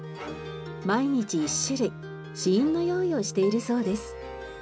毎日１種類試飲の用意をしているそうです。